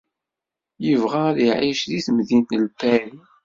Yebɣa ad iɛic deg temdint n Lpari.